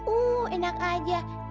uh enak aja ini kacau